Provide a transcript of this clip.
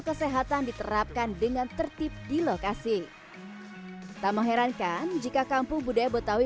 kesehatan diterapkan dengan tertib di lokasi tak mengherankan jika kampung budaya betawi